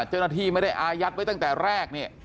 เจ้าหน้าที่ไม่ได้อายัดไว้ตั้งแต่แรกเนี่ย